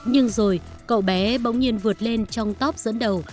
nhưng rồi cậu bé bỗng nhiên vượt lên trong top dẫn đầu